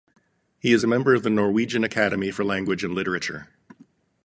He is a member of the Norwegian Academy for Language and Literature.